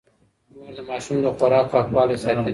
مور د ماشوم د خوراک پاکوالی ساتي.